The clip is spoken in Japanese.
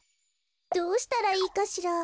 どうしたらいいかしら。